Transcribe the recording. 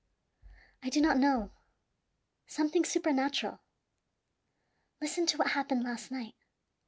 "I do not know something supernatural. Listen to what happened last night.